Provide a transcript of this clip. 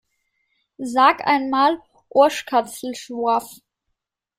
Sag ein mal "Oachkatzlschwoaf"!